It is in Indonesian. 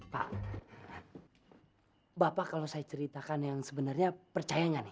pak bapak kalau saya ceritakan yang sebenarnya percayanya nih